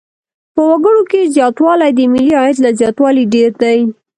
په وګړو کې زیاتوالی د ملي عاید له زیاتوالي ډېر دی.